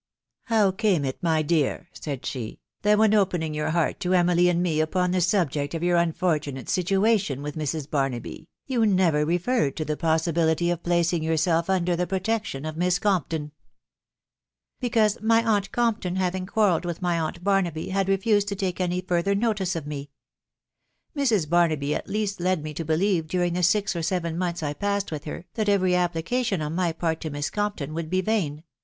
" How came it, my dear," said she, " that when opemng your heart to Emily and me upon the subject of your unfor tunate situation with Mrs. Barnaby, you never referred to the possibility of placing yourself under the protection of Mfct Compton ?" 442 THE WIDOW BABNABT. cc Because my aunt Compton, having quarrelled with taf aunt Barnaby, had refused to take any further notice of Mrs. Barnaby at least led me to believe during the nx or i months I passed with her, that every application on my to Miss Compton would be vain